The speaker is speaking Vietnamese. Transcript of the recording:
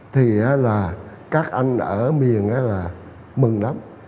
thì là các anh ở miền là mừng lắm